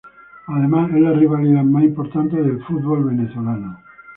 Además es la rivalidad más importante del fútbol venezolano.